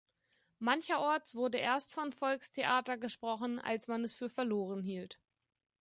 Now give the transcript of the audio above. Mancherorts wurde erst von Volkstheater gesprochen, als man es für verloren hielt.